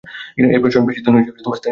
এই প্রশাসন বেশি দিন স্থায়ী হতে পারেনি।